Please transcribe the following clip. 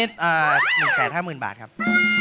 ตัวนี้๑๕๐๐๐๐บาทครับ